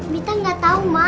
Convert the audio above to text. mita gak tahu ma